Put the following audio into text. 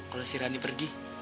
kalau si rani pergi